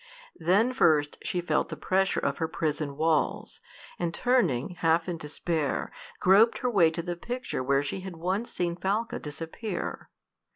Then first she felt the pressure of her prison walls, and turning, half in despair, groped her way to the picture where she had once seen Falca disappear.